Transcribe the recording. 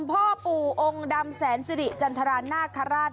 พ่อปู่องค์ดำแสนสิริจันทรานาคาราช